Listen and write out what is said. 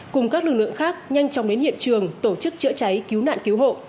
cùng các lực lượng khác nhanh chóng đến hiện trường tổ chức chữa cháy cứu nạn cứu hộ